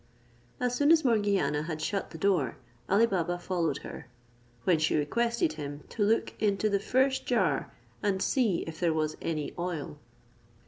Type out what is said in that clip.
As soon as Morgiana had shut the door, Ali Baba followed her; when she requested him to look into the first jar and see if there was any oil.